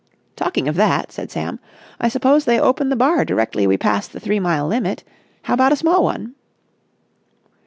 "Talking of that," said Sam, "I suppose they open the bar directly we pass the three mile limit. How about a small one?"